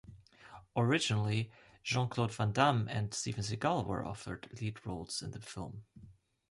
Originally Jean-Claude Van Damme and Steven Seagal were offered lead roles in the film.